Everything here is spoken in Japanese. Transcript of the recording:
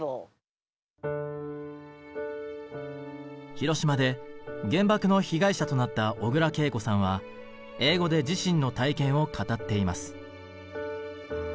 広島で原爆の被害者となった小倉桂子さんは英語で自身の体験を語っています。